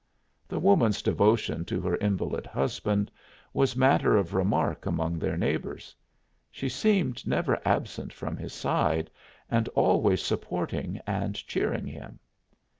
The woman's devotion to her invalid husband was matter of remark among their neighbors; she seemed never absent from his side and always supporting and cheering him.